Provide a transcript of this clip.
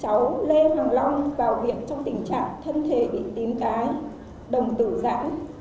cháu lê hoàng long vào viện trong tình trạng thân thể bị tím cái đồng tử giãn